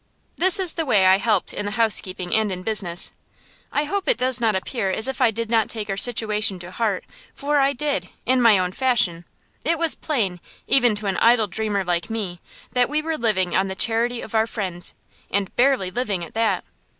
This is the way I helped in the housekeeping and in business. I hope it does not appear as if I did not take our situation to heart, for I did in my own fashion. It was plain, even to an idle dreamer like me, that we were living on the charity of our friends, and barely living at that.